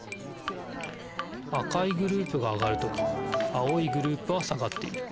赤いグループが上がる時青いグループは下がっている。